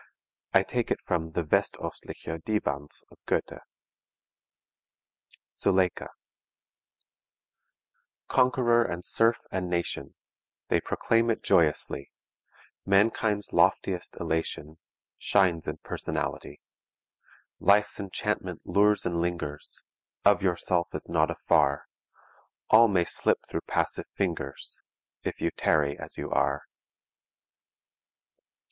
I take it from the Westostliche Divans of Goethe: SULEIKA: Conqueror and serf and nation; They proclaim it joyously; Mankind's loftiest elation, Shines in personality. Life's enchantment lures and lingers, Of yourself is not afar, All may slip through passive fingers, If you tarry as you are.